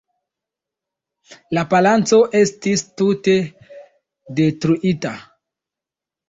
La palaco estis tute detruita.